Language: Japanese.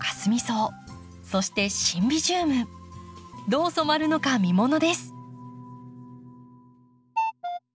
どう染まるのか見ものです。